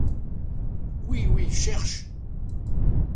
Oui, oui, cherche!